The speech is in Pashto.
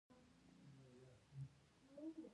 هغه د ځنګل په سمندر کې د امید څراغ ولید.